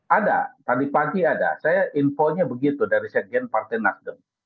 ada tadi pagi ada saya infonya begitu dari sekjen partai nasdem